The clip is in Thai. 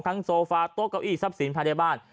ทั้งโซฟาโต๊ะเก้าอี้ทรัพย์สินไพเดยาบ้าน